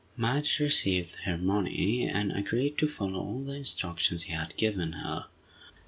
Madge received her money, and agreed to follow all the instructions he had given her.